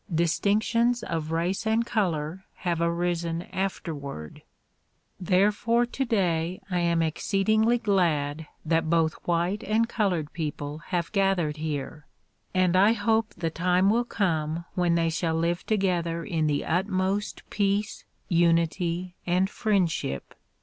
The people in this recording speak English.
Distinctions of race and color have arisen afterward. Therefore today I am exceedingly glad that both white and col ored people have gathered here and I hope the time will come when they shall live together in the utmost peace, unity and friend ship.